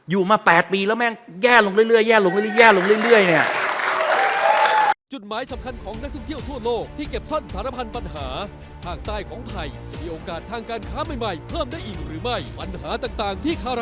มา๘ปีแล้วแม่งแย่ลงเรื่อยแย่ลงเรื่อยแย่ลงเรื่อยเนี่ย